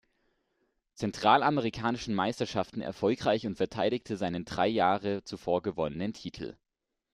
Zentralamerikanischen Meisterschaften erfolgreich und verteidigte seinen drei Jahre zuvor gewonnenen Titel.